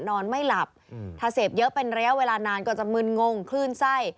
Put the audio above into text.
นอนไม่หลับถ้าเสพเยอะเป็นระยะเวลานานก็จะมึนงงคลื่นไส้